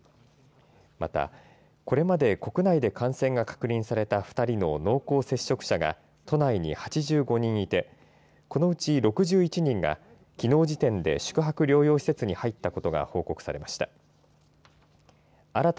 また、これまで国内で感染が確認された２人の濃厚接触者が都内に８５人いてこのうち６１人がきのう時点で宿泊療養施設に入ったことが報告されました。